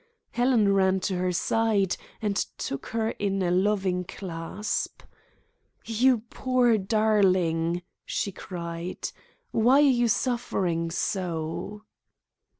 Helen ran to her side, and took her in a loving clasp. "You poor darling!" she cried. "Why are you suffering so?"